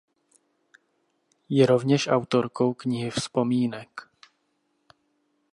Je rovněž autorkou knihy vzpomínek.